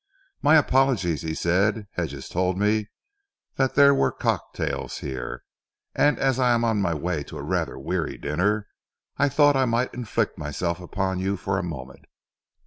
"My apologies," he said. "Hedges told me that there were cocktails here, and as I am on my way to a rather weary dinner, I thought I might inflict myself upon you for a moment."